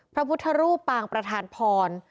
พระพุทธรูปปางประธานพร